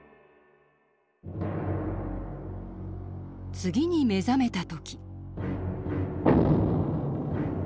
次に目覚めた時。